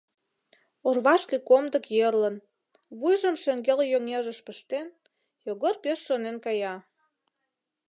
Орвашке комдык йӧрлын, вуйжым шеҥгел йоҥежыш пыштен, Йогор пеш шонен кая.